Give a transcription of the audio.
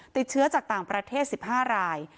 ติดเชื้อจากต่างประเทศ๑๕ราย